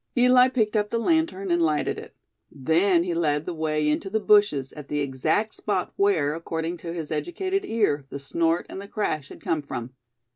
Eli picked up the lantern, and lighted it. Then he led the way into the bushes at the exact spot where, according to his educated ear, the snort and the crash had come from.